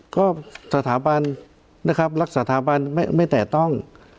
ก็สถาบันนะครับรักษาสถาบันไม่แตะต้อง